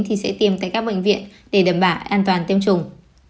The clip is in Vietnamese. thì sẽ tiêm tại các bệnh viện để đẩm bả an toàn tiêm chủng